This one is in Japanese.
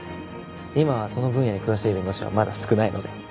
今はその分野に詳しい弁護士はまだ少ないので。